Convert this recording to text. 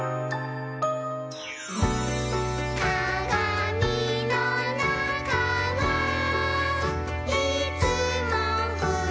「かがみのなかはいつもふしぎ」